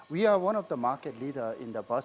kami adalah salah satu pemimpin pasar